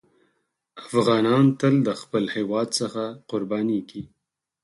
افغانان تل د خپل هېواد څخه قربانېږي.